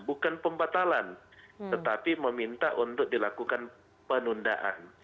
bukan pembatalan tetapi meminta untuk dilakukan penundaan